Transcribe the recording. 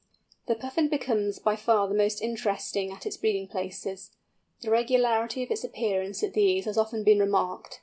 The Puffin becomes by far the most interesting at its breeding places. The regularity of its appearance at these has often been remarked.